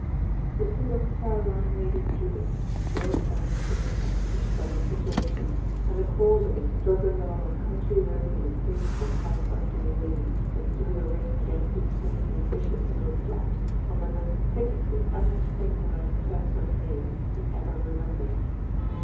The thought of Caroline, Lady Drewitt, brought Beresford back to his present situation, and the cause of his struggling along a country road in the face of a south westerly wind, that thr6w the rain against his face in vicious little slaps, on the most pitifully unspring like first of May he ever remem bered.